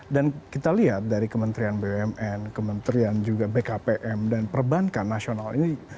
dan kita lihat dari kementerian bumn kementerian juga bkpm dan perbankan nasional ini